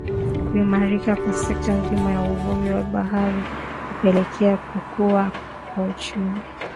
Kuimarika kwa sekta nzima ya uvuvi na bahari hupelekea kukuwa kwa uchumi